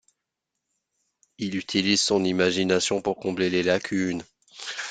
Il utilise son imagination pour combler les lacunes.